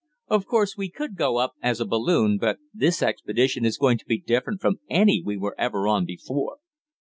Of course we could go up as a balloon, but this expedition is going to be different from any we were ever on before."